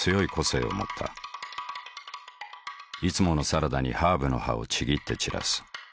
いつものサラダにハーブの葉をちぎって散らす。